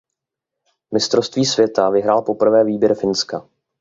Mistrovství světa vyhrál poprvé výběr Finska.